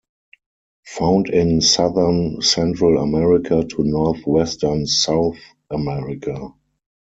Found in Southern Central America to northwestern South America.